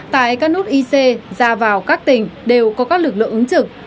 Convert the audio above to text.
tại các nút ic ra vào các tỉnh đều có các lực lượng ứng trực